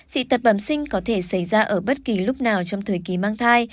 dị tật bẩm sinh có thể xảy ra ở bất kỳ lúc nào trong thời kỳ mang thai